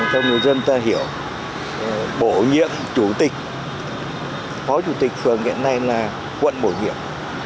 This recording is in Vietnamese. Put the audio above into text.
chúng ta hiểu bổ nhiệm chủ tịch phó chủ tịch phường hiện nay là quận bổ nhiệm